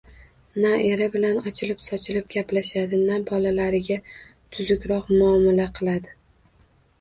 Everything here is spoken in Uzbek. Na eri bilan ochilib-sochilib gaplashadi, na bolalariga tuzukroq muomala qiladi